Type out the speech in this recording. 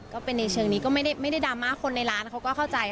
ก็เป็นในเชิงนี้ก็ไม่ได้ดราม่าคนในร้านเขาก็เข้าใจ